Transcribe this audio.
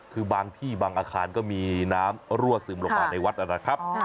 คือบางที่บางอาคารก็มีน้ำรั่วซึมลงมาในวัดนะครับ